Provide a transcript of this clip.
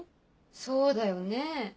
そうだよね。